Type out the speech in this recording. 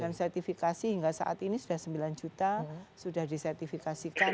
dan sertifikasi hingga saat ini sudah sembilan juta sudah disertifikasikan